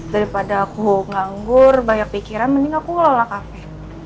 daripada aku nganggur banyak pikiran mending aku ngelola kafe